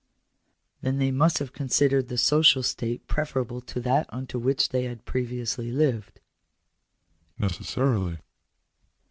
" Then they must have considered the social state preferable to that under which they had previously lived